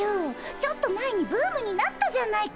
ちょっと前にブームになったじゃないか。